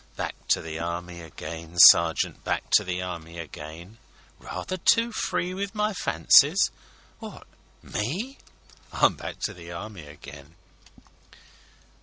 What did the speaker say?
Back to the Army again, sergeant, Back to the Army again. Rather too free with my fancies? Wot me? I'm back to the Army again!